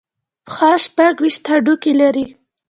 پښه شپږ ویشت هډوکي لري.